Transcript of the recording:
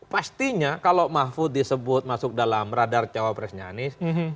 pastinya kalau mafud disebut masuk dalam radar cawa presiden